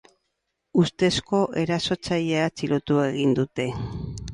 Ustezko erasotzailea atxilotu egin dute.